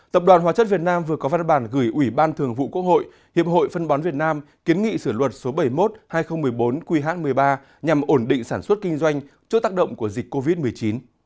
tập đoàn hóa chất việt nam vừa có văn bản gửi ủy ban thường vụ quốc hội hiệp hội phân bón việt nam kiến nghị sửa luật số bảy mươi một hai nghìn một mươi bốn qh một mươi ba nhằm ổn định sản xuất kinh doanh trước tác động của dịch covid một mươi chín